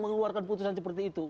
mengeluarkan putusan seperti itu